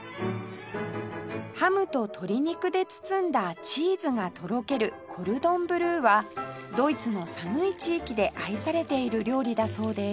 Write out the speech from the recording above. ハムと鶏肉で包んだチーズがとろけるコルドンブルーはドイツの寒い地域で愛されている料理だそうです